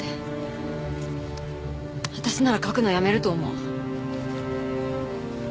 私なら書くのやめると思う。